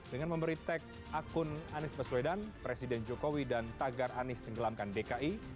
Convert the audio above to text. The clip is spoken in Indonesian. dengan memberi tag akun anies baswedan presiden jokowi dan tagar anies tenggelamkan dki